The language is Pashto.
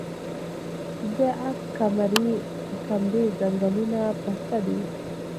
د اب کمري ځنګلونه پسته دي